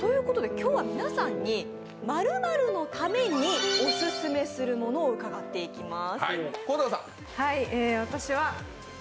今日は皆さんに○○のためにオススメする物を伺っていきます。